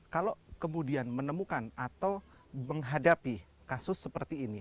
kalau kemudian menemukan atau menghadapi kasus seperti ini